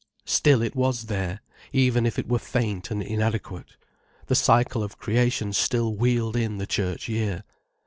Still it was there, even if it were faint and inadequate. The cycle of creation still wheeled in the Church year.